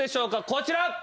こちら。